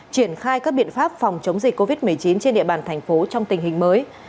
triển khai các biện pháp phòng chống dịch covid một mươi chín trên địa bàn thành phố trong tình hình mới